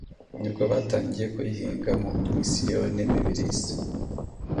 nibwo batangiye kuyihinga mu misiyoni Mibirizi